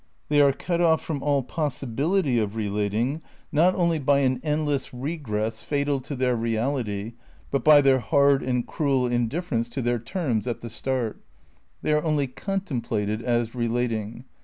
They are cut off from all possibility of relating, not only by an 38 THE NEW IDEALISM n endless regress, fatal to their reality, but by their hard and cruel indifference to their terms at the start. They are only contemplated as relating.